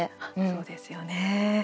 そうですよね。